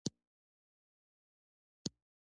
افغانستان کې د تودوخه د پرمختګ هڅې روانې دي.